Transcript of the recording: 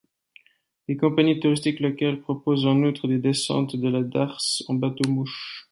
Des compagnies touristiques locales proposent en outre des descentes de la darse en bateau-mouche.